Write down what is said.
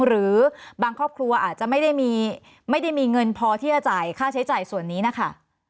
หรือบางครอบครัวอาจจะไม่ได้มีเงินพอที่จะจ่ายค่าใช้จ่ายส่วนนี้นะคะ